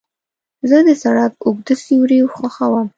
زه د سړک اوږده سیوري خوښوم.